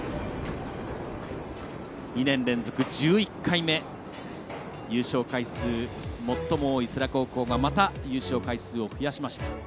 ２年連続１１回目、優勝回数最も多い世羅高校がまた優勝回数を増やしました。